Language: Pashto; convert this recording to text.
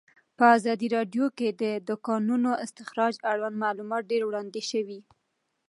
په ازادي راډیو کې د د کانونو استخراج اړوند معلومات ډېر وړاندې شوي.